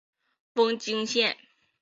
瓮津线